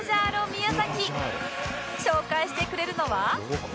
紹介してくれるのは